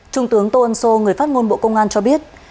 trung tướng tôn sô người phát ngôn bộ công an cho biết